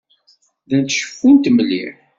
Llant ceffunt mliḥ.